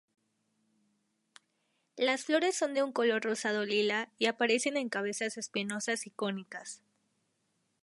Las flores son de un color rosado-lila y aparecen en cabezas espinosas y cónicas.